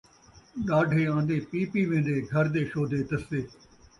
ݙاڈھے آن٘دے پی پی وین٘دے ، گھر دے شودے تسے